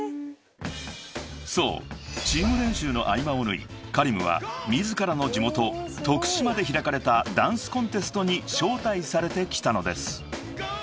［そうチーム練習の合間を縫いＫａｒｉｍは自らの地元徳島で開かれたダンスコンテストに招待されて来たのです］